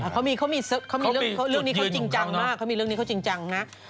เขามีเรื่องนี้เขาจริงจังมาก